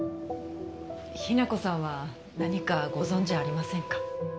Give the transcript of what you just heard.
日名子さんは何かご存じありませんか？